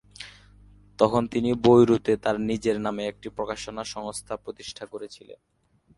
তখন তিনি বৈরুতে তার নিজের নামে একটি প্রকাশনা সংস্থা প্রতিষ্ঠা করেছিলেন।